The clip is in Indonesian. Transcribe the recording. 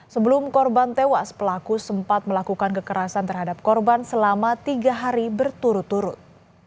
sebelum korban tewas pelaku sempat melakukan kekerasan terhadap korban selama tiga hari berturut turut